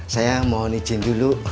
saya mau nicin dulu